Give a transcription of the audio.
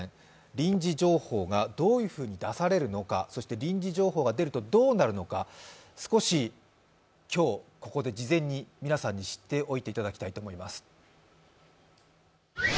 臨時情報がどういうふうに出されるのか、そして臨時情報が出るとどうなるのか、少し今日、ここで事前に皆さんに知っておいていただきたいと思います。